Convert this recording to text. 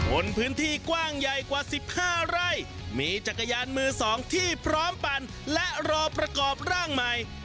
บนพื้นที่กว้างใหญ่กว่า๑๕ไร่มีจักรยานมือสองที่พร้อมปั่นและรอประกอบร่างใหม่